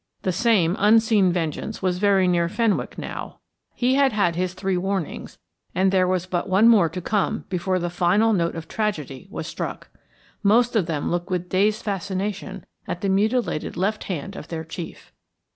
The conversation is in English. The same unseen vengeance was very near Fenwick now; he had had his three warnings, and there was but one more to come before the final note of tragedy was struck. Most of them looked with dazed fascination at the mutilated left hand of their chief.